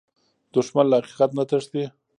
دښمن له حقیقت نه تښتي